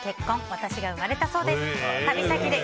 私が生まれたそうです。